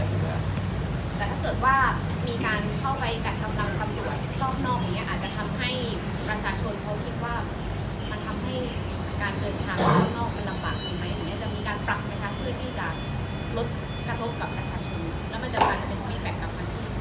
แต่ถ้าเกิดว่ามีการเข้าไปกับกำลังกรรมกล้องนอกอย่างเนี่ย